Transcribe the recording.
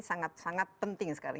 sangat sangat penting sekali